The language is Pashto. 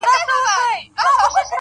• د دې غم لړلي صحنې ننداره کوله -